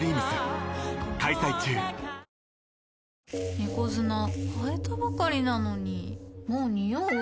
猫砂替えたばかりなのにもうニオう？